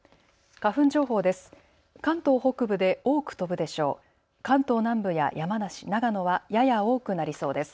花粉情報です。